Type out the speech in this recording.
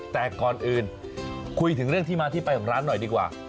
แต่ก่อนอื่นคุยถึงเรื่องที่มาที่ไปของร้านหน่อยดีกว่า